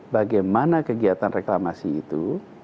bagaimana kegiatan reklamasi itu